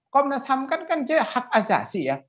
komnas ham kan kan jadi hak ajasi ya